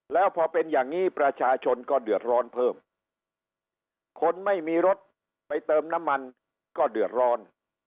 แล้วพอเป็นอย่างนี้ประชาชนก็เดือดร้อนเพิ่มคนไม่มีรถไปเติมน้ำมันก็เดือดร้อน